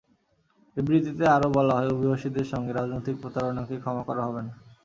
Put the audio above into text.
বিবৃতিতে আরও বলা হয়, অভিবাসীদের সঙ্গে রাজনৈতিক প্রতারণাকে ক্ষমা করা হবে না।